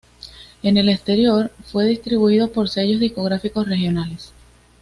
En el exterior fue distribuido por sellos discográficos regionales.